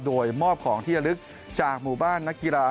โดยมอบของที่ระลึกจากหมู่บ้านนักกีฬา